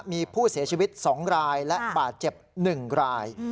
มีผู้เสียชีวิต๒รายและบาดเจ็บ๑ราย